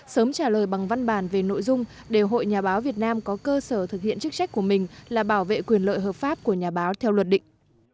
sớm trả lời bằng văn bản về nội dung để hội nhà báo việt nam có cơ sở thực hiện chức trách của mình là bảo vệ quyền lợi hợp pháp của nhà báo theo luật định